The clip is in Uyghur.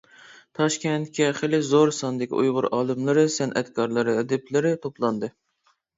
تاشكەنتكە خېلى زور ساندىكى ئۇيغۇر ئالىملىرى، سەنئەتكارلىرى، ئەدىبلىرى توپلاندى.